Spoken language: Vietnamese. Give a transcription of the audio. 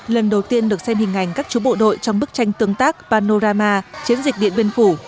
lần đầu tiên được xem hình ảnh các chú bộ đội trong bức tranh tương tác panorama chiến dịch điện biên phủ